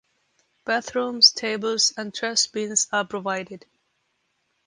Bathrooms, tables, and trash bins are provided.